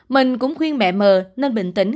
mình cũng khuyên mẹ m nên bình tĩnh